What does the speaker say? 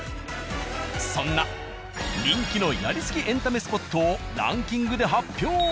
そんな人気のやりすぎエンタメスポットをランキングで発表。